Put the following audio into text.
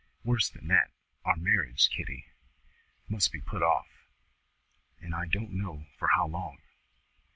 Worse than that our marriage, Kitty, must be put off, and I don't know for how long."